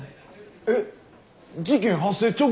えっ事件発生直後じゃん。